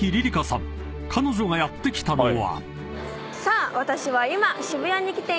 ［彼女がやって来たのは］